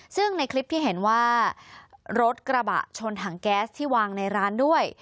ซึ่งในคลิปที่เห็นว่ารถกระบะชนถังแก๊สที่วางในร้านด้วย